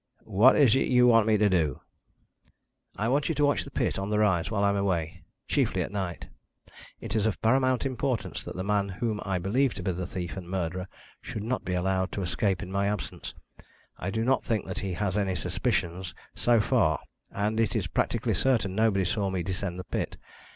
What is it you want me to do?" "I want you to watch the pit on the rise while I am away, chiefly at night. It is of paramount importance that the man whom I believe to be the thief and murderer should not be allowed to escape in my absence. I do not think that he has any suspicions, so far, and it is practically certain nobody saw me descend the pit.